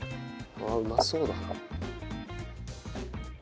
ああうまそうだな。